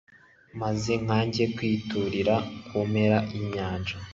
maze nkajya kwiturira ku mpera y’inyanja